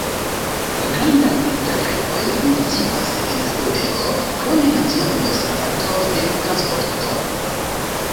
Grandaj entreprenoj funkcias en la urbego, krome Nacia Universitato de Transporto.